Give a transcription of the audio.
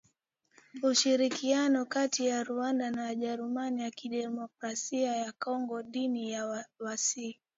Ushirikiano kati ya Rwanda na jamuhuri ya kidemokrasia ya Kongo dhidi ya waasi